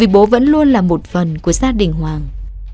bố vẫn luôn là một phần của gia đình hoàng